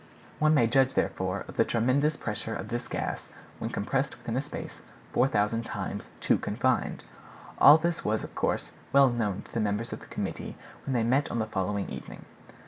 One may judge, therefore, of the tremendous pressure on this gas when compressed within a space 4,000 times too confined. All this was, of course, well known to the members of the committee when they met on the following evening.